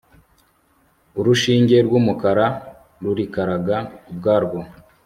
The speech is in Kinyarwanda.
urushinge rw'umukara rurikaraga ubwarwo